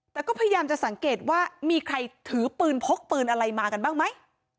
แต่ก็พยายามจะสังเกตว่ามีใครถือปืนพกปืนอะไรมากันบ้างไหม